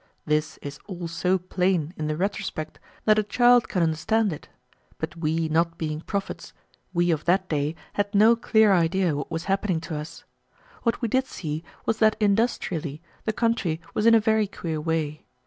This is all so plain in the retrospect that a child can understand it, but not being prophets, we of that day had no clear idea what was happening to us. What we did see was that industrially the country was in a very queer way.